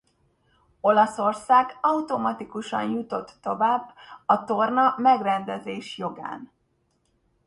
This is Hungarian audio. Olaszország automatikusan jutott tovább a torna megrendezés jogán.